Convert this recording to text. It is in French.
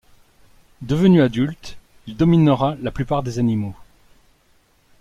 Devenu adulte, il dominera la plupart des animaux...